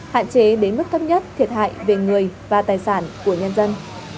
hạn chế đến mức thấp nhất thiệt hại về người và tài sản của nhân dân